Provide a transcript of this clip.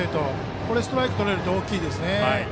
これでストライクとれると大きいです。